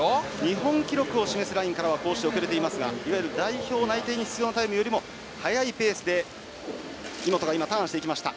日本記録を示すラインからはこうして遅れていますが代表内定に必要なタイムよりも早いタイムでターンしていきました。